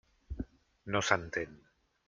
No s'entén.